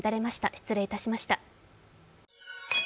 失礼いたしました。